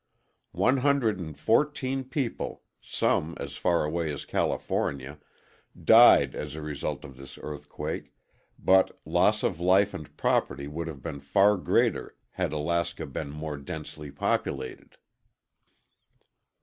One hundred and fourteen people (some as far away as California) died as a result of this earthquake, but loss of life and property would have been far greater had Alaska been more densely populated.